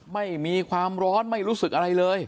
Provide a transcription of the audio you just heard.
ไม่มีความร้อนไม่รู้สึกอะไรเลย